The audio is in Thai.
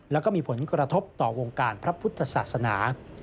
แล้วก็มีผลกระทบต่อวงการพระพุทธศาสนา